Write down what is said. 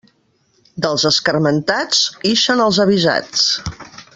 Dels escarmentats, ixen els avisats.